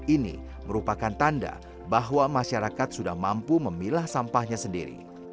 ini merupakan tanda bahwa masyarakat sudah mampu memilah sampahnya sendiri